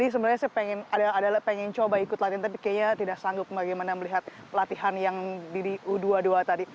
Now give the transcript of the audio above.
sebenarnya saya pengen coba ikut latihan tapi kayaknya tidak sanggup bagaimana melihat latihan yang di u dua puluh dua tadi